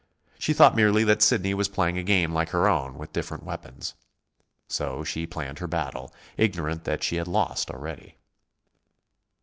She thought merely that Sidney was playing a game like her own, with different weapons. So she planned her battle, ignorant that she had lost already.